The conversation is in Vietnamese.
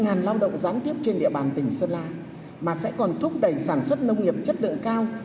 ngàn lao động gián tiếp trên địa bàn tỉnh sơn la mà sẽ còn thúc đẩy sản xuất nông nghiệp chất lượng cao